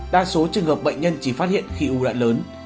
đa số trường hợp bệnh nhân chỉ phát hiện khi u đã lớn